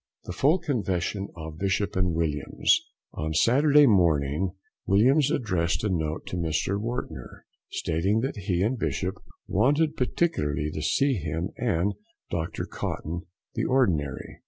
THE FULL CONFESSION OF BISHOP AND WILLIAMS. On Saturday morning Williams addressed a note to Mr Wontner, stating that he and Bishop wanted particularly to see him and Dr. Cotton, the Ordinary.